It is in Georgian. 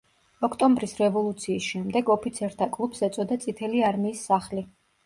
ოქტომბრის რევოლუციის შემდეგ, ოფიცერთა კლუბს ეწოდა წითელი არმიის სახლი.